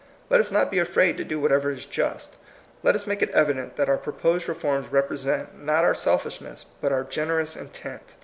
Let us not be afraid to do whatever is just. Let us make it evident that our proposed reforms represent, not our selfishness, but our gen erous intent.